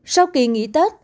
sau kỳ nghỉ tết